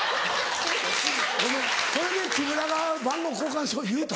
ごめんそれで木村が番号交換しよう言うた？